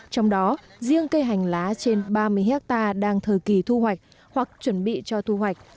trong đó riêng cây hành lá trên ba mươi hectare đang thời kỳ thu hoạch hoặc chuẩn bị cho thu hoạch